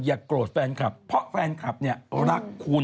โกรธแฟนคลับเพราะแฟนคลับเนี่ยรักคุณ